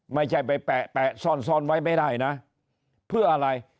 ไม่ใช่ไปแปะซ่อนซ่อนไว้ไม่ได้นะเพื่ออะไร